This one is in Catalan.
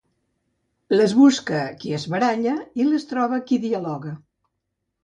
Les busca qui es baralla i les troba qui dialoga.